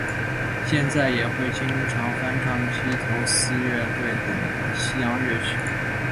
现在也会经常翻唱披头四乐队等的西洋乐曲。